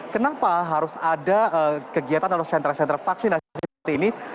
kenapa harus ada kegiatan atau sentra sentra vaksinasi seperti ini